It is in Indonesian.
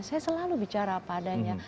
saya selalu bicara apa adanya